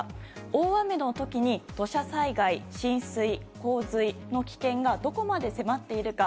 大雨の時に土砂災害、浸水、洪水の危険がどこまで迫っているか